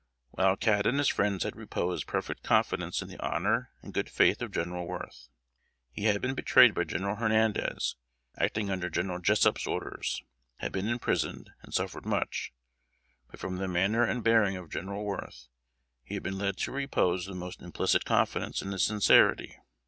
Wild Cat and his friends had reposed perfect confidence in the honor and good faith of General Worth. He had been betrayed by General Hernandez, acting under General Jessup's orders; had been imprisoned, and suffered much; but from the manner and bearing of General Worth, he had been led to repose the most implicit confidence in his sincerity.